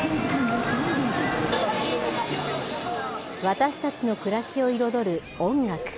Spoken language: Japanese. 私たちの暮らしを彩る音楽。